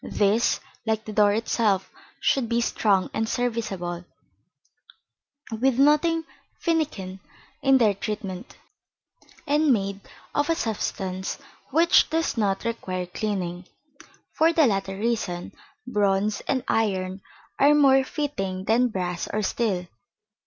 These, like the door itself, should be strong and serviceable, with nothing finikin in their treatment, and made of a substance which does not require cleaning. For the latter reason, bronze and iron are more fitting than brass or steel.